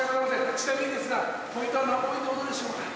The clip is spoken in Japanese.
ちなみにですがポイントは何ポイントほどでしょうか？